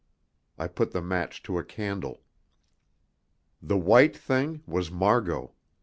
I put the match to a candle. The white thing was Margot.